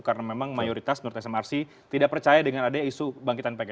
karena memang mayoritas menurut smrc tidak percaya dengan adanya isu bangkitan pki